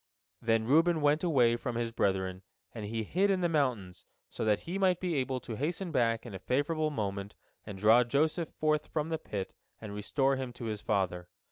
Then Reuben went away from his brethren, and he hid in the mountains, so that he might be able to hasten back in a favorable moment and draw Joseph forth from the pit and restore him to his father.